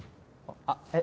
あっえっ？